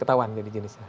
ketahuan jadi jenisnya